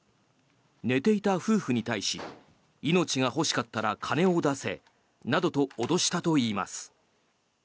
寝ていた夫婦に対し命が欲しかったら金を出せなどと脅したといいます。